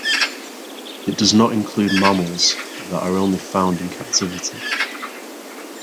It does not include mammals that are only found in captivity.